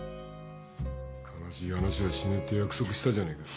悲しい話はしねえって約束したじゃねえか。